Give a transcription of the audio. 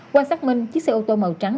qua xác minh chiếc xe ô tô màu trắng